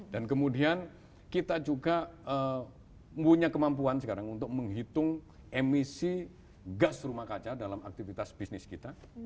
dan kemudian kita juga punya kemampuan sekarang untuk menghitung emisi gas rumah kaca dalam aktivitas bisnis kita